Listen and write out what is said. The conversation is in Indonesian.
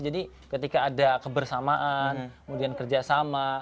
jadi ketika ada kebersamaan kemudian kerjasama